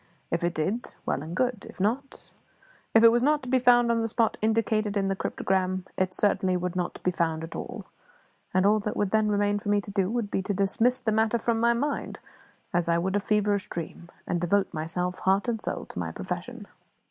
If it did, well and good; if not if it was not to be found on the spot indicated in the cryptogram, it certainly would not be found at all; and all that would then remain for me to do would be to dismiss the matter from my mind, as I would a feverish dream, and devote myself, heart and soul, to my profession.